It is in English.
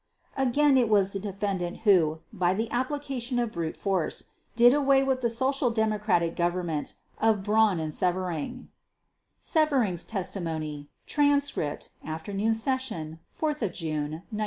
Again it was the defendant who, by the application of brute force, did away with the Social Democrat Government of Braun and Severing (Severing's Testimony, Transcript, Afternoon Session, 14 June 1946).